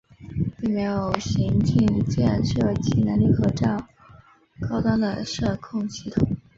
并没有行进间射击能力和较高端的射控系统。